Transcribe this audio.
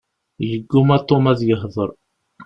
Yegguma Tom ad yeheder.